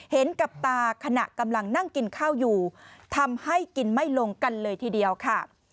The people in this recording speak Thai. เห็นกับตาขณะกำลังนั่งกินข้าวอยู่ทำให้กินไม่ลงกันเลยทีเดียวค่ะ